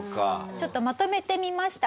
ちょっとまとめてみました。